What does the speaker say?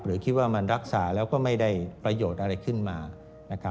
หรือคิดว่ามันรักษาแล้วก็ไม่ได้ประโยชน์อะไรขึ้นมานะครับ